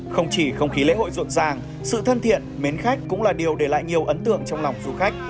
không chỉ không khí lễ hội rộn ràng sự thân thiện mến khách cũng là điều để lại nhiều ấn tượng trong lòng du khách